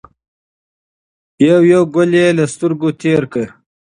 یو یو ګل یې له سترګو تېر کړ.